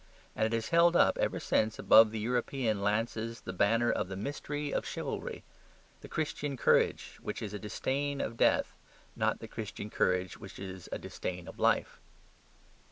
And it has held up ever since above the European lances the banner of the mystery of chivalry: the Christian courage, which is a disdain of death; not the Chinese courage, which is a disdain of life.